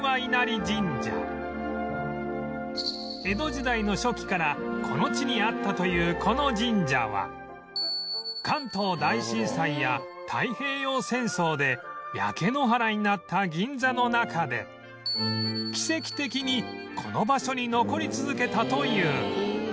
江戸時代の初期からこの地にあったというこの神社は関東大震災や太平洋戦争で焼け野原になった銀座の中で奇跡的にこの場所に残り続けたという